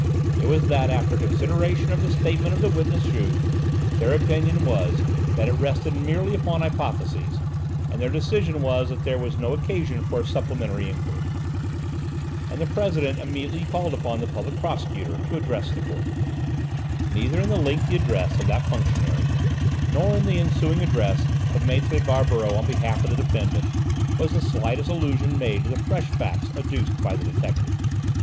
It was that after consideration of the statement of the witness Juve, their opinion was that it rested merely upon hypotheses, and their decision was that there was no occasion for a supplementary enquiry. And the President immediately called upon the Public Prosecutor to address the Court. Neither in the lengthy address of that functionary, nor in the ensuing address of Maître Barberoux on behalf of the defendant, was the slightest allusion made to the fresh facts adduced by the detective.